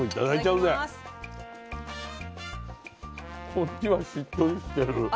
こっちはしっとりしてる。